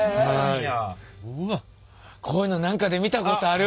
こういうの何かで見たことある！